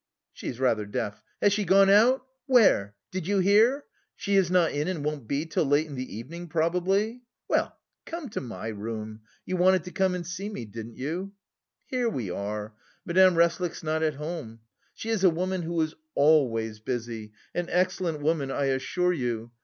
She is rather deaf. Has she gone out? Where? Did you hear? She is not in and won't be till late in the evening probably. Well, come to my room; you wanted to come and see me, didn't you? Here we are. Madame Resslich's not at home. She is a woman who is always busy, an excellent woman I assure you....